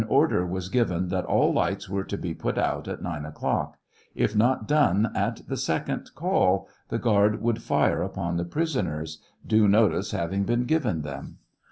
order was given that all lights were to be put out. at 9 o'clock ; if not done at the second call, the guard would ■fire upon the prisoners, due notice having been given them.